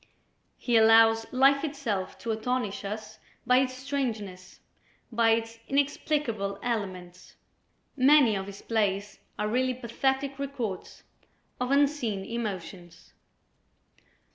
He allows life itself to astonish us by its strangeness, by its inexplicable elements. Many of his plays are really pathetic records of unseen emotions.